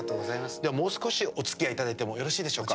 ではもう少しおつきあいいただいてもよろしいでしょうか？